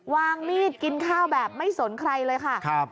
วางมีดกินข้าวแบบไม่สนใครเลยค่ะ